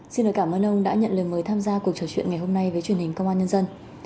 xin cảm ơn ông đã nhận lời mời tham gia cuộc trò chuyện ngày hôm nay với truyền hình công an nhân dân